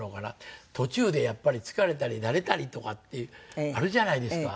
途中でやっぱり疲れたり慣れたりとかってあるじゃないですか。